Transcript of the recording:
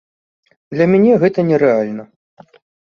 Для мяне гэта нерэальна.